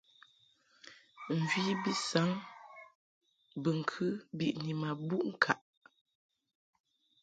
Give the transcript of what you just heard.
Mvi bi saŋ bɨŋkɨ biʼni ma buʼ ŋkaʼ.